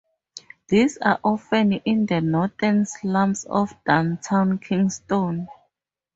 These are often in the northern slums of downtown Kingston.